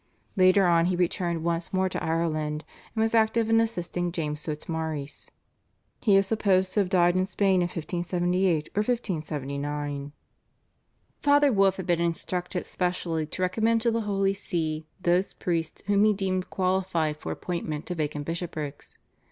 Later on he returned once more to Ireland, and was active in assisting James Fitzmaurice. He is supposed to have died in Spain in 1578 or 1579. Father Wolf had been instructed specially to recommend to the Holy See those priests whom he deemed qualified for appointment to vacant bishoprics.